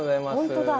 本当だ。